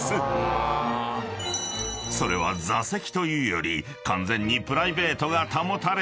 ［それは座席というより完全に］